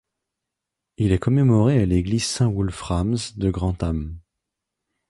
Il est commémoré à l' église St Wulframs de Grantham.